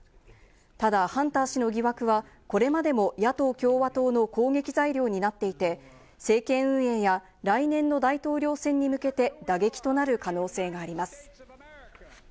ただハンター氏の疑惑はこれまでも野党・共和党の攻撃材料になっていて、政権運営や来年の大統領選に向けて打撃となる可能性があります。